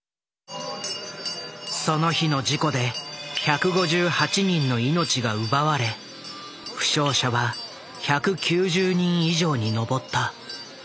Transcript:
その日の事故で１５８人の命が奪われ負傷者は１９０人以上に上った。